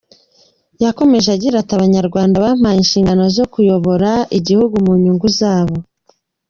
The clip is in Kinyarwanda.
Yakomeje agira ati “ Abanyarwanda bampaye inshingano zo kuyobora igihugu mu nyungu zabo.